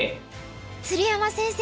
鶴山先生